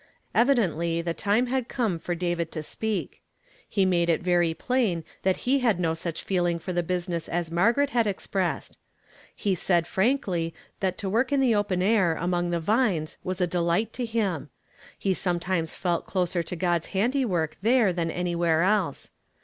Evidently the time had come for David to speak. Jle made it very plain that he had no such feeling for the business as Margaret had ex pressed. He said frankly that to woi'k in the open air among the vines was a delight to him ; he sometimes felt closer to God's liandiwork there than anywhere else.